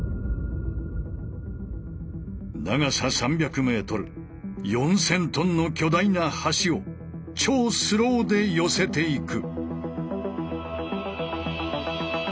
長さ３００ｍ４，０００ｔの巨大な橋を超スローで寄せていく。